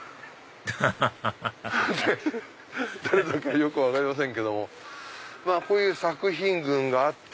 ハハハハ誰だかよく分かりませんけどもこういう作品群があって。